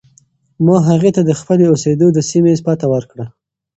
ما هغې ته د خپلې اوسېدو د سیمې پته ورکړه.